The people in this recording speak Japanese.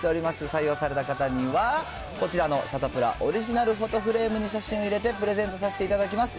採用された方には、こちらのサタプラオリジナルフォトフレームに入れてプレゼントさせていただきます。